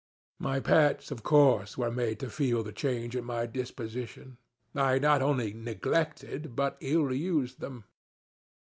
My pets, of course, were made to feel the change in my disposition. I not only neglected, but ill used them.